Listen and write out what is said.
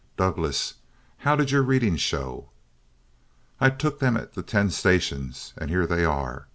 Douglass, how did your readings show?" "I took them at the ten stations, and here they are.